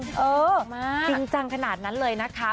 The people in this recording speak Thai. เออจริงจังขนาดนั้นเลยนะคะ